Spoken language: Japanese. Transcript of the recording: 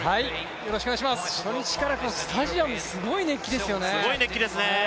初日からスタジアム、すごい熱気ですよね。